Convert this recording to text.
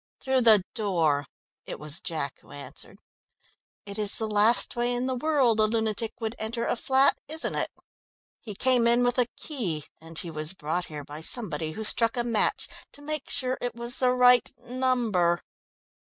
"Through the door." It was Jack who answered. "It is the last way in the world a lunatic would enter a flat, isn't it? He came in with a key, and he was brought here by somebody who struck a match to make sure it was the right number."